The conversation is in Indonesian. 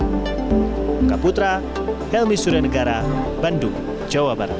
muka putra helmi surya negara bandung jawa barat